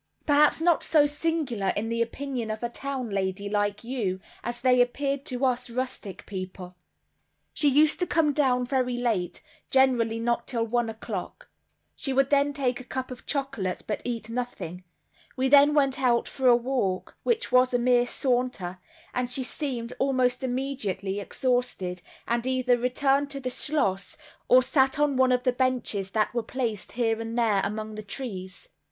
Perhaps not so singular in the opinion of a town lady like you, as they appeared to us rustic people. She used to come down very late, generally not till one o'clock, she would then take a cup of chocolate, but eat nothing; we then went out for a walk, which was a mere saunter, and she seemed, almost immediately, exhausted, and either returned to the schloss or sat on one of the benches that were placed, here and there, among the trees.